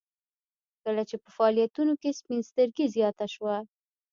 کله چې په فعاليتونو کې سپين سترګي زياته شوه.